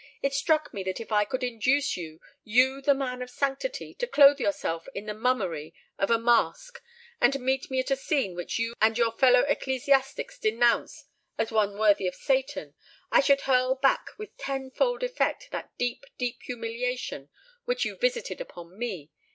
It struck me that if I could induce you—you, the man of sanctity—to clothe yourself in the mummery of a mask and meet me at a scene which you and your fellow ecclesiastics denounce as one worthy of Satan, I should hurl back with tenfold effect that deep, deep humiliation which you visited upon me.